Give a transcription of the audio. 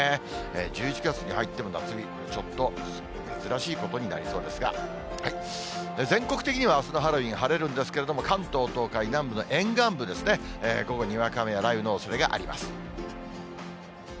１１月に入っても夏日、ちょっと珍しいことになりそうですが、全国的にはあすのハロウィーン晴れるんですけれども、関東、東海南部の沿岸部ですね、午後にわか雨や雷雨のおそれがあります。